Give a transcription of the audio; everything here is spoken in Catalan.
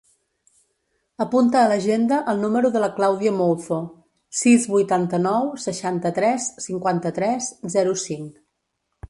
Apunta a l'agenda el número de la Clàudia Mouzo: sis, vuitanta-nou, seixanta-tres, cinquanta-tres, zero, cinc.